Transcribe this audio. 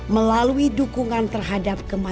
melalui dukungan terhadap kemampuan